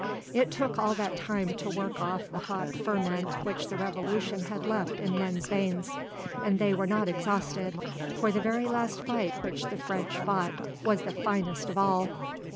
It took all that time to work off the hot ferment which the Revolution had left in men's veins. And they were not exhausted, for the very last fight which the French fought was the finest of all.